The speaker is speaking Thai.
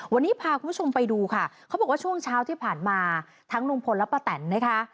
วันนี้พาคุณผู้ชมไปดูค่ะเขาบอกว่าช่วงเช้าที่ผ่านมาทั้งลุงพลและป้าแตนนะคะ